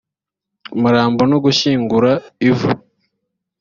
umurambo no gushyingura ivu